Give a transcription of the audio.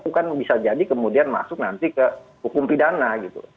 itu kan bisa jadi kemudian masuk nanti ke hukum pidana gitu